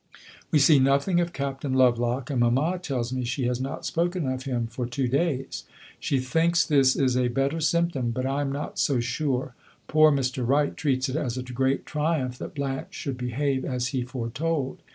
We see nothing of Captain Lovelock, and mamma tells me she has not spoken of him for two days. She thinks this is a better symptom, but I am not so sure. Poor Mr. Wright treats it as a great triumph that Blanche should behave as he foretold.